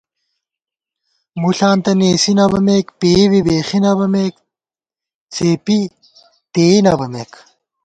مُݪاں تہ نېسی نہ بَمېک، پېئی بی بېخی نہ بَمېک، څېپی تېئی نہ بَمېک